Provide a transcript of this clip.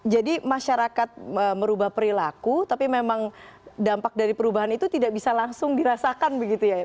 jadi masyarakat merubah perilaku tapi memang dampak dari perubahan itu tidak bisa langsung dirasakan begitu ya